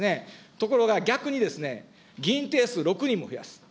ところが逆にですね、議員定数６人も増やす。